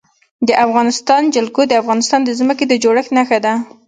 د افغانستان جلکو د افغانستان د ځمکې د جوړښت نښه ده.